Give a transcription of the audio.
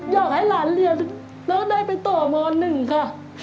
อยากให้หลานเรียนแล้วก็ได้ไปต่อโมงหนึ่งค่ะ